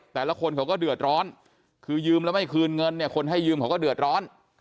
แต่ละคนเขาก็เดือดร้อนคือยืมแล้วไม่คืนเงินเนี่ยคนให้ยืมเขาก็เดือดร้อน